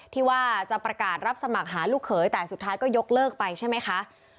ที่ว่าจะประกาศรับสมัครหาลูกเขยแต่สุดท้ายก็ยกเลิกไปใช่ไหมคะ